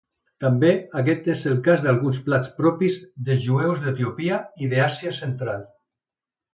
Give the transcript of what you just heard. També aquest és el cas d'alguns plats propis dels jueus d'Etiòpia i d'Àsia central.